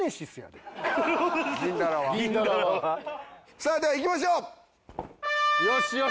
さあではいきましょう！